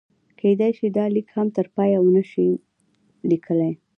کېدای شي دا لیک هم تر پایه ونه شم لیکلی.